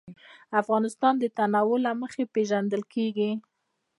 افغانستان د تنوع له مخې پېژندل کېږي.